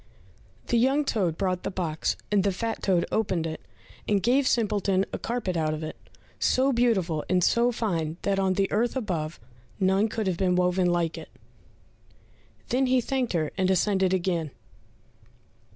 The young toad brought the box, and the fat toad opened it, and gave Simpleton a carpet out of it, so beautiful and so fine, that on the earth above, none could have been woven like it. Then he thanked her, and ascended again.